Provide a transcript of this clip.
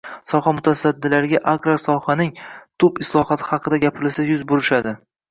Soha mutasaddilariga agrar sohaning tub islohoti haqida gapirilsa yuz burishadi